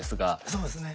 そうですね。